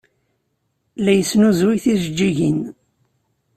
La yesnuzuy tijeǧǧigin.